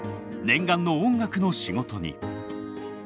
念願の音楽の仕事に。